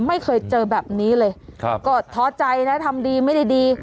ไม่เคยเจอแบบนี้เลยครับก็ท้อใจนะทำดีไม่ได้ดี